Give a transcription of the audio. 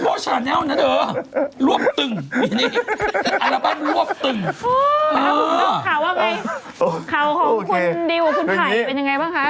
ข่าวของคุณดีลและคุณไพ่เป็นอย่างไรป้ะค่ะ